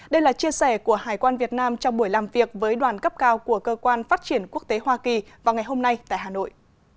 đây là chia sẻ của hải quan việt nam trong buổi làm việc với đoàn cấp cao của cơ quan phát triển quốc tế hoa kỳ vào ngày hôm nay tại hà nội